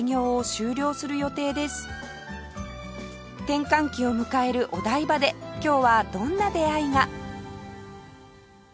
転換期を迎えるお台場で今日はどんな出会いが？